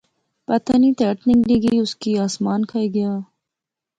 پتہ نی تہرت نگلی گئی اس کی اسمان کھائی گیا